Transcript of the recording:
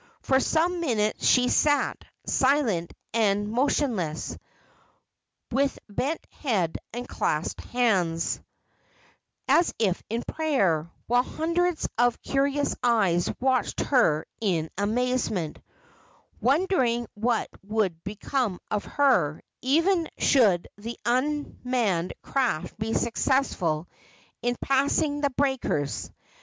For some minutes she sat, silent and motionless, with bent head and clasped hands, as if in prayer, while hundreds of curious eyes watched her in amazement, wondering what would become of her, even should the unmanned craft be successful in passing the breakers.